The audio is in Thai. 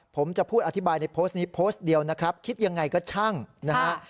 ผมจะพูดอธิบายในโพสต์นี้โพสต์เดียวนะครับคิดยังไงก็ช่างนะฮะ